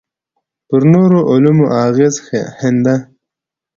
پر نورو علومو اغېز ښنده.